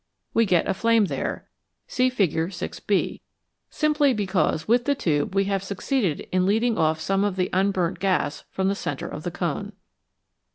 We get a flame there (see Fig. 6, b) simply because with the tube we have succeeded in leading off some of the unburnt gas from the centre of the cone.